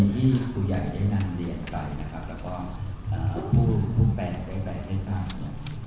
ที่ครูใหญ่ได้นำเรียนไปนะครับแล้วก็ผู้แปรใดให้ทราบเนี่ย